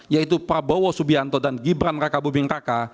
yaitu prabowo subianto dan gibran raka buming kakak